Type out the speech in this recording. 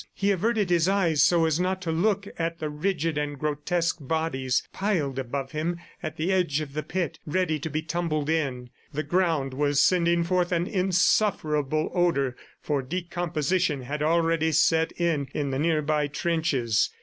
He averted his eyes so as not to look at the rigid and grotesque bodies piled above him at the edge of the pit, ready to be tumbled in. The ground was sending forth an insufferable odor, for decomposition had already set in in the nearby trenches.